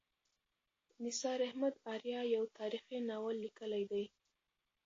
نثار احمد آریا یو تاریخي ناول لیکلی دی.